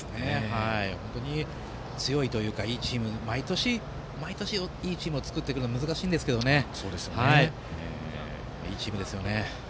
本当に強いというか毎年いいチームを作ってくるのは難しいんですけどいいチームですよね。